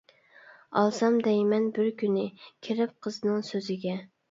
ئالسام دەيمەن بىر كۈنى، كىرىپ قىزنىڭ سۆزىگە.